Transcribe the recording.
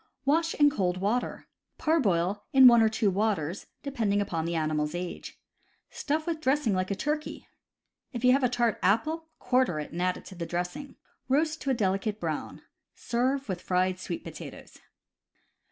Wash in cold water. Parboil in one or two waters, depending upon the animal's age. Stuff with dressing like a turkey. If you have a tart apple, quarter it and add to the dressing. Roast to a delicate brown. Serve with fried sweet potatoes.